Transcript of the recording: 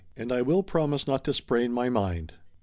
"And I will promise not to sprain my mind."